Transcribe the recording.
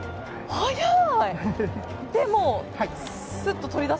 早い！